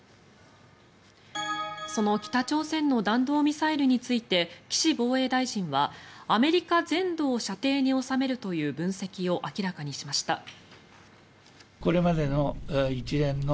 その北朝鮮の弾道ミサイルについて岸防衛大臣は、アメリカ全土を射程に収めるという分析を明らかにしました。